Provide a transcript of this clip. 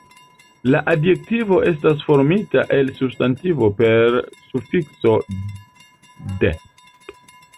La adjektivo estas formita el substantivo per sufikso "-d".